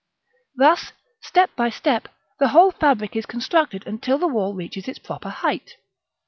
Thus, step by step, the whole fabric is constructed until the wall reaches its proper height.